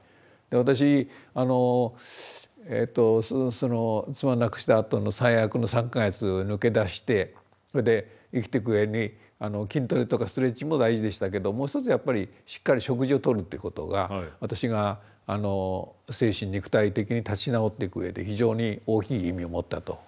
私妻を亡くしたあとの最悪の３か月抜け出してそれで生きていくうえに筋トレとかストレッチも大事でしたけどもう１つやっぱりしっかり食事をとるということが私が精神肉体的に立ち直っていくうえで非常に大きい意味を持ったと思いますね。